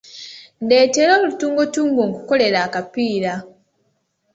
Ndeetera olutuluggano nkukolere akapiira.